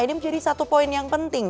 ini menjadi satu poin yang penting